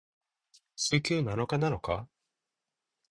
週休七日なのか？